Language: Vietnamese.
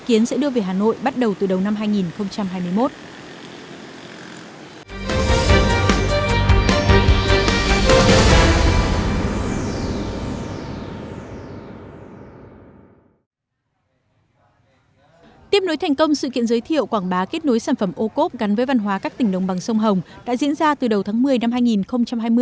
tiếp nối thành công sự kiện giới thiệu quảng bá kết nối sản phẩm ô cốp gắn với văn hóa các tỉnh nông bằng sông hồng đã diễn ra từ đầu tháng một mươi năm hai nghìn hai mươi